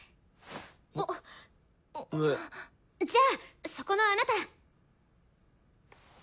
じゃあそこのあなた！